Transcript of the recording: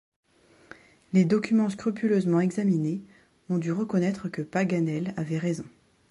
Les documents scrupuleusement examinés, on dut reconnaître que Paganel avait raison.